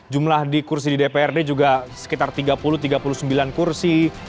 jumlah di kursi di dprd juga sekitar tiga puluh tiga puluh sembilan kursi